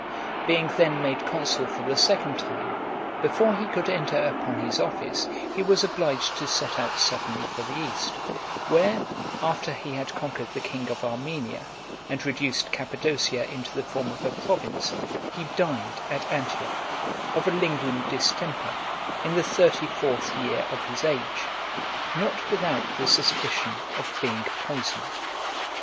Being then made consul for the second time , before he could enter upon his office he was obliged to set out suddenly for the east, where, after he had conquered the king of Armenia, and reduced Cappadocia into the form of a province, he died at Antioch, of a lingering distemper, in the thirty fourth year of his age , not without the suspicion of being poisoned.